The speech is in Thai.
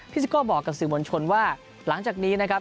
ซิโก้บอกกับสื่อมวลชนว่าหลังจากนี้นะครับ